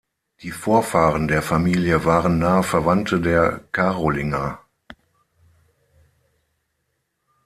Die Vorfahren der Familie waren nahe Verwandte der Karolinger.